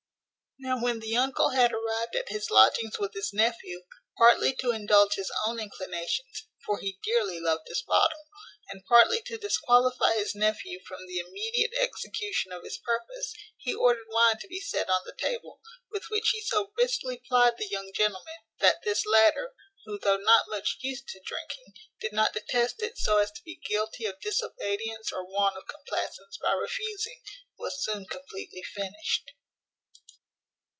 Now when the uncle had arrived at his lodgings with his nephew, partly to indulge his own inclinations (for he dearly loved his bottle), and partly to disqualify his nephew from the immediate execution of his purpose, he ordered wine to be set on the table; with which he so briskly plyed the young gentleman, that this latter, who, though not much used to drinking, did not detest it so as to be guilty of disobedience or want of complacence by refusing, was soon completely finished.